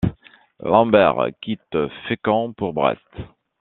Lambert quitte Fécamp pour Brest.